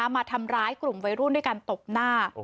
มาทำร้ายกลุ่มวัยรุ่นด้วยการตบหน้า